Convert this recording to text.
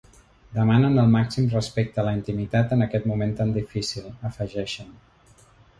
Demanem el màxim respecte a la intimitat en aquest moment tan difícil, afegeixen.